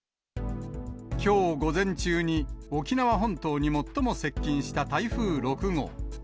きょう午前中に、沖縄本島に最も接近した台風６号。